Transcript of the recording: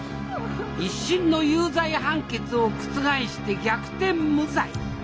一審の有罪判決を覆して逆転無罪！